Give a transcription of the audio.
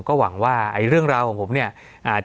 สวัสดีครับทุกผู้ชม